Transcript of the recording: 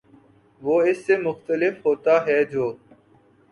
وہ اس سے مختلف ہوتا ہے جو